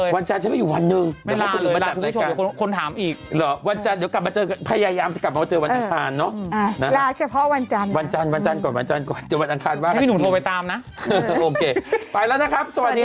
วันจันทร์ก่อนเดี๋ยววันอันครรภ์บ้างกันอีกโอเคไปแล้วนะครับสวัสดีค่ะ